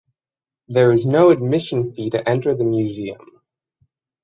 There is no admission fee to enter the museum.